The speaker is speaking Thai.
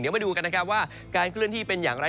มาดูกันนะครับว่าการเคลื่อนที่เป็นอย่างไร